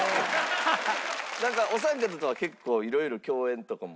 なんかお三方とは結構いろいろ共演とかも？